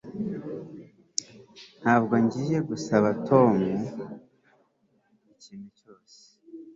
Ntabwo ngiye gusaba Tom ikintu cyose